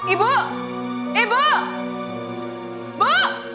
ibu ibu ibu